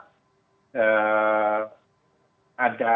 karena faktanya adalah